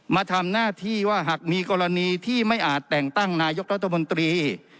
มาทำหน้าที่ว่าหากมีกรณีที่ไม่อาจแต่งตั้งนายกรัฐมนตรี